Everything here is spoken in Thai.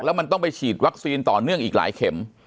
แล้วมันต้องไปฉีดวัคซีนต่อเนื่องอีกหลายเข็ม